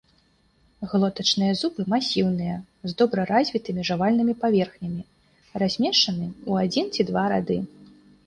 Глотачныя зубы масіўныя, з добра развітымі жавальнымі паверхнямі, размешчаны ў адзін ці два рады.